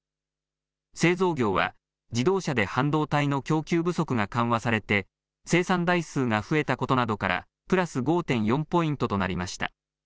製造業は自動車で半導体の供給不足が緩和されて生産台数が増えたことなどからプラス５．４ポイントとなりました。